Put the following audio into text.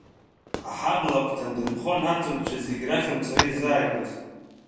Аҳабла агәҭаны дынхон аҭырқәцәа зегьы рахьынтә сара исзааигәаз…